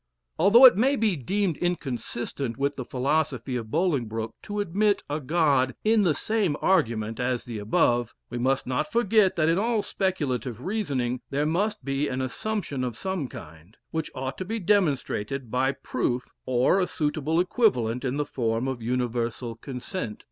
Although it may be deemed inconsistent with the philosophy of Bolingbroke to admit a God in the same argument as the above, we must not forget that in all speculative reasoning there must be an assumption of some kind, which ought to be demonstrated by proof, or a suitable equivalent in the form of universal consent.